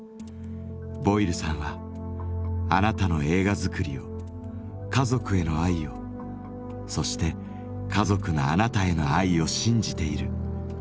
ボイルさんは「あなたの映画作りを家族への愛をそして家族のあなたへの愛を信じている」と送り出しました。